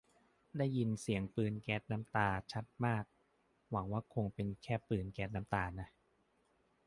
ได้ยินเสียงปืนแก๊สน้ำตาชัดมาก หวังว่าคงเป็นแค่ปีนแก๊สน้ำตานะ